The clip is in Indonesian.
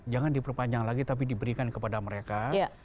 jangan diperpanjang lagi tapi diberikan kepada mereka